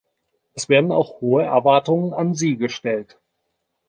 Es werden auch hohe Erwartungen an Sie gestellt.